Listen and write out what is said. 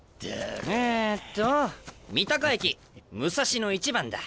えっと三鷹駅武蔵野一番だ。